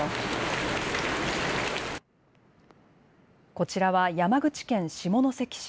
こちらは山口県下関市。